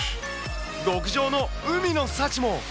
極上の海の幸も。